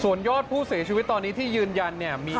ยอดผู้เสียชีวิตตอนนี้ที่ยืนยันเนี่ย